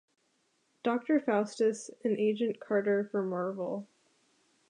Doctor Faustus, in "Agent Carter" for Marvel.